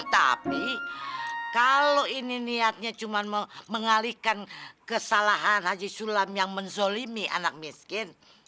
tapi kalau ini niatnya cuma mengalihkan kesalahan haji sulam yang menzolimi anak miskin